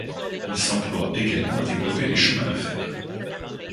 Il s'emploie également à développer les chemins de fer.